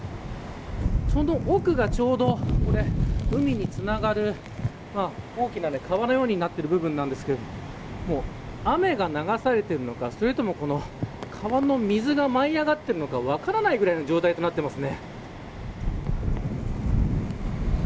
その奥がちょうど海につながる大きな川のようになっている部分ですが雨が流されているのか川の水が舞い上がっているのか分からないくらいの状態になっています。